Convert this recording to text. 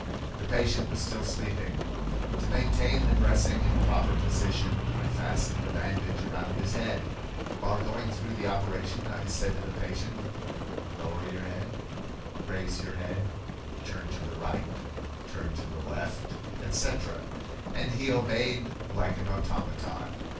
The patient was still sleeping. To maintain the dressing in proper position, I fastened a bandage around his head. While going through the operation I said to the patient, 'Lower your head, raise your head, turn to the right, to the left,' etc., and he obeyed like an automaton.